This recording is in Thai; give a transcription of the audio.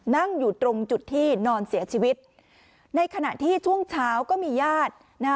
นั่งอยู่ตรงจุดที่นอนเสียชีวิตในขณะที่ช่วงเช้าก็มีญาตินะฮะ